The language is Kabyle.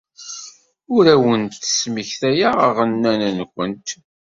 Ur awent-d-smektayeɣ aɣanen-nwent.